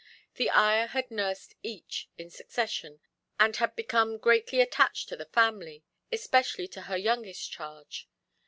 The ayah had nursed each, in succession, and had become greatly attached to the family, especially to her youngest charge.